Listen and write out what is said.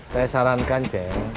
saya sarankan ceng